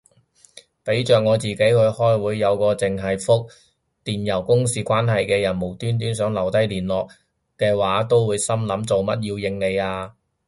俾着我自己去開會，有個剩係覆電郵公事關係嘅人無端端想留聯絡嘅話，都會心諗做乜要應你啊